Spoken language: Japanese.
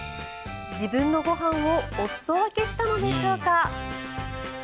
自分のご飯をお裾分けしたのでしょうか。